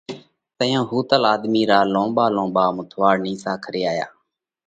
تئيون ۿُوتل آۮمِي را لونٻا لونٻا مٿُوئاۯ نِيسا کري آيا۔